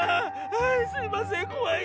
はいすいませんこわい。